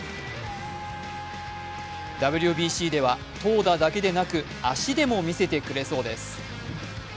ＷＢＣでは投打だけでなく足でも見せてくれそうです。